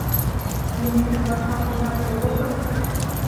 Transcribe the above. Лӱметым вашталтенат огыл дыр?